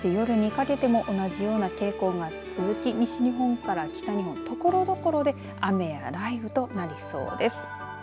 そして夜にかけても同じような傾向が続き西日本から北日本ところどころで雨や雷雨となりそうです。